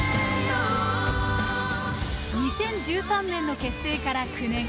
２０１３年の結成から９年。